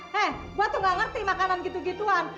hei gue tuh gak ngerti makanan gitu gituan